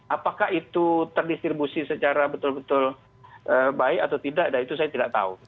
apakah itu terdistribusi secara betul betul baik atau tidak dan itu saya tidak tahu